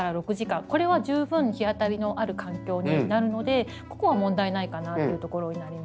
これは十分日当たりのある環境になるのでここは問題ないかなというところになります。